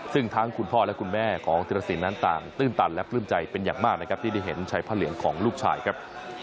ซึ่งทั้งคุณพ่อและคุณแม่ต้นตันและปลื้มใจเป็นอย่างมากที่ได้เห็นชัยพระเหลืองของลูกชายครับ